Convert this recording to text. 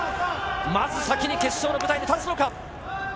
まず先に決勝の舞台に立つのか。